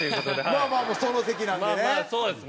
まあまあその席なんでね。